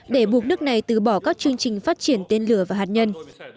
để buộc nước này từ bỏ các chương trình phát triển tên lửa và hạt nhân